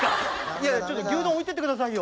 いやちょっと牛丼置いてって下さいよ。